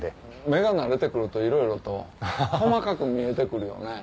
目が慣れてくるといろいろと細かく見えてくるよね。